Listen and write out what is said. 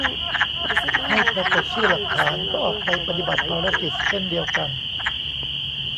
ไม่ปรากฏชื่อหลักฐาน ก็ออกไปปฏิบัติภารกิจเช่นเดียวกัน